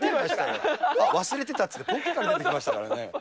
あっ、忘れてたって、ポッケから出てきましたからね。